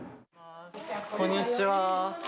こんにちは。